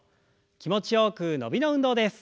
気持ちよく伸びの運動です。